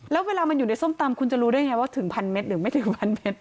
แล้วเวลามันอยู่ในส้มตำคุณจะรู้ได้ไงว่าถึงพันเม็ดหรือไม่ถึงพันเมตร